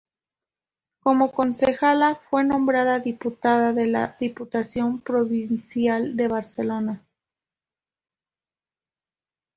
Como concejala fue nombrada diputada de la Diputación Provincial de Barcelona.